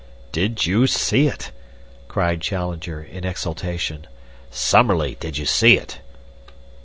"Did you see it?" cried Challenger, in exultation. "Summerlee, did you see it?"